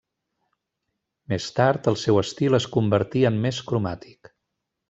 Més tard, el seu estil es convertí en més cromàtic.